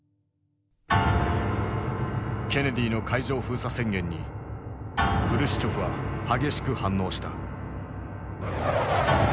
ケネディの海上封鎖宣言にフルシチョフは激しく反応した。